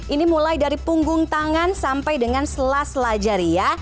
ini mulai dari punggung tangan sampai dengan sela sela jari ya